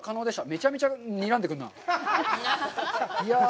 めちゃめちゃにらんでくるなぁ。